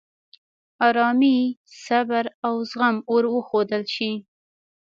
آرامي، صبر، او زغم ور وښودل شي.